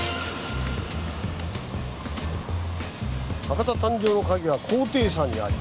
「博多誕生のカギは“高低差”にあり」。